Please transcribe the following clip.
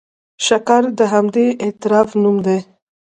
شکر د همدې اعتراف نوم دی.